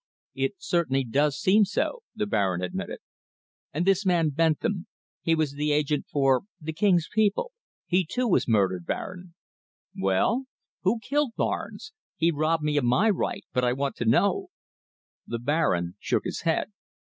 "It certainly does seem so," the Baron admitted. "And this man Bentham! He was the agent for the King's people. He too was murdered! Baron!" "Well?" "Who killed Barnes? He robbed me of my right, but I want to know." The Baron shook his head.